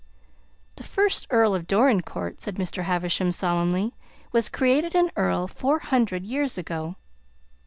"The first Earl of Dorincourt," said Mr. Havisham solemnly, "was created an earl four hundred years ago."